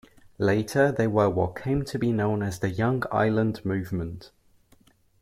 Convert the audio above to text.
Later they were what came to be known as the Young Ireland movement.